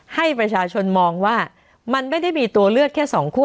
ให้ประชาชนมองว่ามันไม่ได้มีตัวเลือกแค่สองคั่